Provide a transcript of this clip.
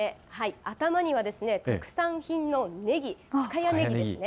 頭には特産品のねぎ、深谷ねぎです。